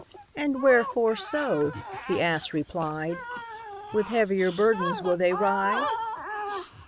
"And wherefore so?" the ass replied; "With heavier burdens will they ride?"